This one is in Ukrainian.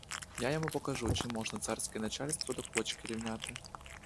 Я йому покажу: чи можна царське начальство до квочки рівняти.